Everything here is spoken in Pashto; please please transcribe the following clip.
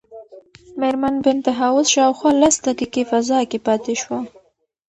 مېرمن بینتهاوس شاوخوا لس دقیقې فضا کې پاتې شوه.